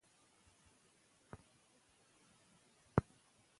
آیا میرویس خان د غلجیو مشر و؟